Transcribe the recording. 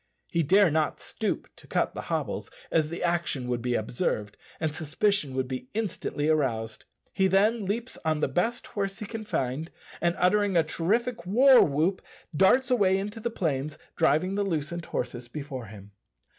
He dare not stoop to cut the hobbles, as the action would be observed, and suspicion would be instantly aroused. He then leaps on the best horse he can find, and uttering a terrific war whoop darts away into the plains, driving the loosened horses before him.